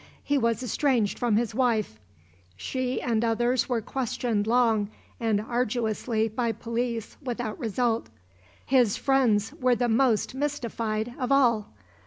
He was estranged from his wife. She and others were questioned long and arduously by police without result. His friends were the most mystified of all.